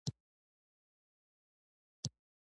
کچالو د غم په وخت هم خوړل کېږي